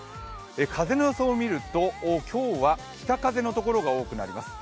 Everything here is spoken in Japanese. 風の予想を見ると、今日は北風のところが多くなります。